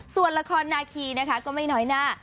ส่วนละครนาคีนะคะก็ไม่น้อยหน้า